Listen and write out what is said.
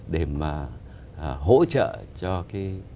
để mà hỗ trợ cho cái